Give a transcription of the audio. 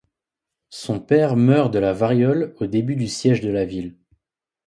Son père meurt de la variole au début du siège de la ville.